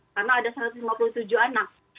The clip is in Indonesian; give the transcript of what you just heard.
karena ada satu ratus lima puluh tujuh anak